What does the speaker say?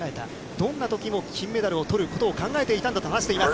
どんなときも金メダルをとることを考えていたんだと話しています。